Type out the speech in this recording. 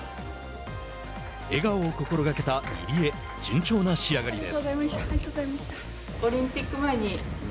笑顔を心がけた入江順調な仕上がりです。